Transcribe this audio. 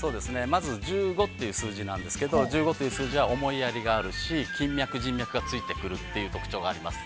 まず１５という数字なんですけど１５という数字は思いやりがあるし金脈、人脈がついてくるっていう特徴があります。